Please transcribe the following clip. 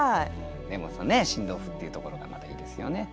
でも「新豆腐」っていうところがまたいいですよね。